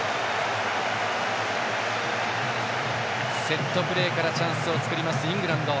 セットプレーからチャンスを作るイングランド。